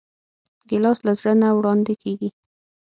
ګیلاس له زړه نه وړاندې کېږي.